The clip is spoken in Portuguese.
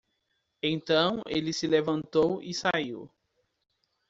Então ele se levantou e saiu.